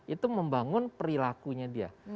itu membangun perilakunya dia